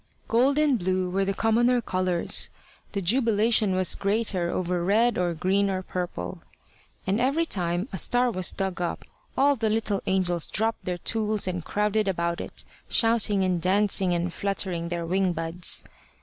Gold and blue were the commoner colours: the jubilation was greater over red or green or purple. And every time a star was dug up all the little angels dropped their tools and crowded about it, shouting and dancing and fluttering their wing buds.